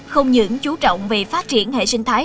không những chú trọng về phát triển hệ sinh thái